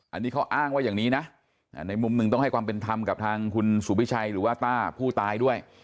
อันนี้เขาอ้างว่าอย่างนี้นะในมุมหนึ่งต้องให้ความเป็นธรรมกับทางคุณสุพิชัยหรือว่าต้าผู้ตายด้วย